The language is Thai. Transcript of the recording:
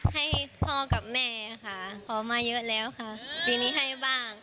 ให้พ่อกับแม่ค่ะขอมาเยอะแล้วค่ะปีนี้ให้บ้าง